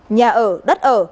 nhà ở đất ở